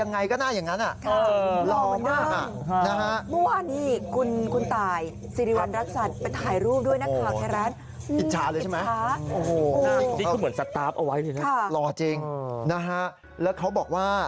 นี่ไงคุณผอมคุณเทศนี่เนี่ย